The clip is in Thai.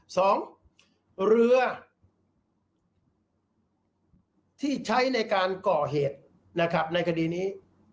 สองเรือที่ใช้ในการก่อเหตุในคดีนี้